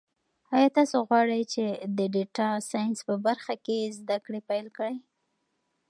ایا تاسو غواړئ چې د ډیټا ساینس په برخه کې زده کړې پیل کړئ؟